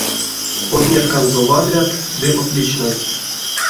Отметканзо вадрят ды отличнойть.